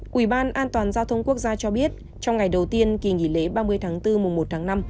quỹ ban an toàn giao thông quốc gia cho biết trong ngày đầu tiên kỳ nghỉ lễ ba mươi tháng bốn mùa một tháng năm